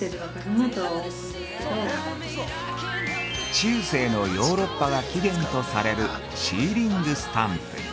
◆中世のヨーロッパが起源とされるシーリングスタンプ。